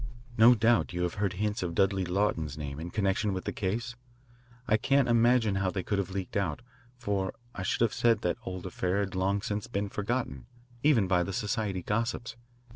No doubt you have heard hints of Dudley Lawton's name in connection with the case? I can't imagine how they could have leaked out, for I should have said that that old affair had long since been forgotten even by the society gossips.